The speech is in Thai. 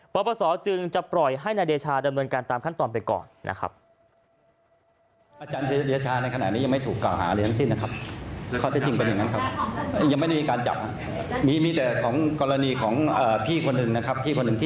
ปปศจึงจะปล่อยให้นายเดชาดำเนินการตามขั้นตอนไปก่อนนะครับ